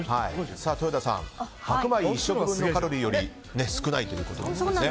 豊田さん白米１食分のカロリーより少ないということですね。